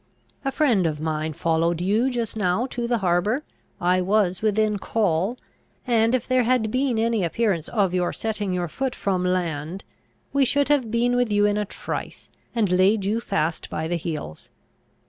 A friend of mine followed you just now to the harbour; I was within call; and, if there had been any appearance of your setting your foot from land, we should have been with you in a trice, and laid you fast by the heels.